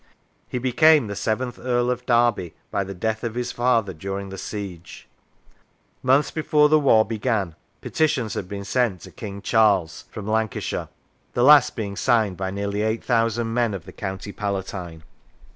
He became the seventh Earl of Derby by the death of his father during the siege. Months before the war began, petitions had been sent to King Charles from 90 The War of Religion Lancashire, the last being signed by nearly eight thousand men of the county palatine.